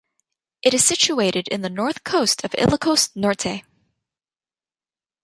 It is situated in the north coast of Ilocos Norte.